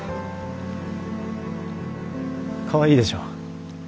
かわいいでしょ？